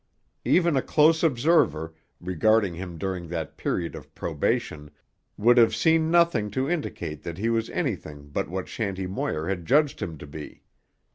Even a close observer, regarding him during that period of probation, would have seen nothing to indicate that he was anything but what Shanty Moir had judged him to be.